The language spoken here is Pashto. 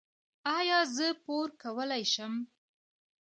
ایا زه پور کولی شم؟